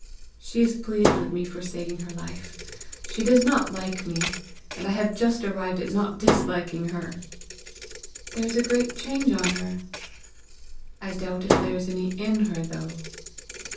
"She is pleased with me for saving her life. She does not like me and I have just arrived at not disliking her." "There is a great change on her!" "I doubt if there is any IN her though!"